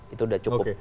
itu sudah cukup